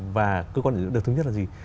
và cơ quan nhà nước được thứ nhất là gì